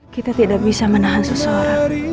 kita tidak bisa menahan seseorang